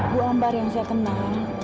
bu ambar yang saya tenang